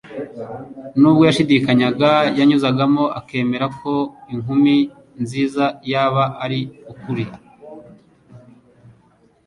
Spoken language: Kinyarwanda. N'ubwo yashidikanyaga, yanyuzagamo akemera ko inkum nziza yaba ari ukuri.